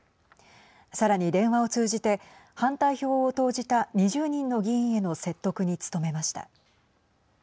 さらに電話を通じて反対票を投じた２０人の議員への説得に努めました。